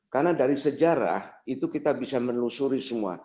karena dari sejarah itu kita bisa menelusuri semua